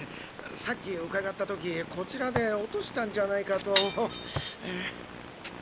さっき伺った時こちらで落としたんじゃないかと。